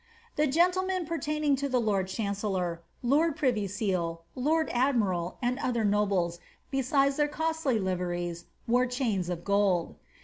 The gentlemen pertaining to the lord chancellor, lord privy seal, lord admiral, and other nobles, besides their costly liveries wore cliaiiis of gold.